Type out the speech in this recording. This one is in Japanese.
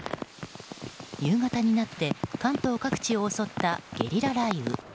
夕方になって関東各地を襲った、ゲリラ雷雨。